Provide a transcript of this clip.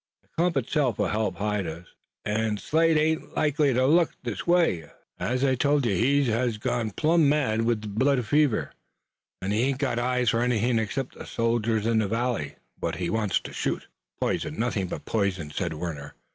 "The clump itself will help hide us, an' Slade ain't likely to look this way. Ez I told you he hez gone plum' mad with the blood fever, an' he ain't got eyes for anythin' except the soldiers in the valley what he wants to shoot." "Poison, nothing but poison," said Warner.